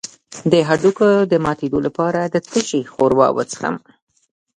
د هډوکو د ماتیدو لپاره د څه شي ښوروا وڅښم؟